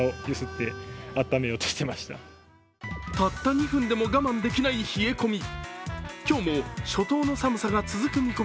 たった２分でも我慢できない冷え込み。